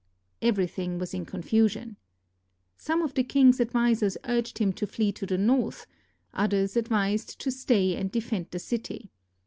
Everything was in confusion. Some of the king's ad visers urged him to flee to the north, others advised to stay and defend the city.